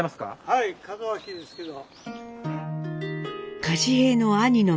はい門脇ですけど。